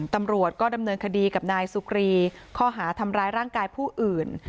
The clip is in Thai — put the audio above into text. ตำรวจก็ดำเนินคดีกับนายสุกรีข้อหาทำร้ายร่างกายผู้อื่น